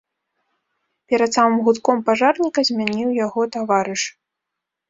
Перад самым гудком пажарніка змяніў яго таварыш.